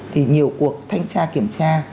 thì nhiều cuộc thanh tra kiểm tra